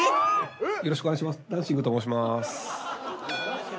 よろしくお願いします。